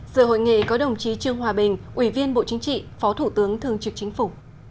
giữa hội nghị có đồng chí trương hòa bình ủy viên bộ chính trị phó thủ tướng thương trực chính phủ